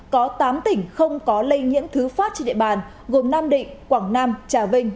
có tám tỉnh không có lây nhiễm thứ phát trên địa bàn gồm nam định quảng nam trà vinh